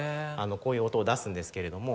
こういう音を出すんですけれども。